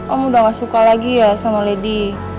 om udah gak suka lagi ya sama lady